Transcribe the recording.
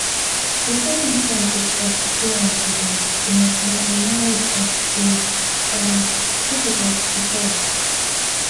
The second sense of "obscurantism" denotes making knowledge abstruse, that is, difficult to grasp.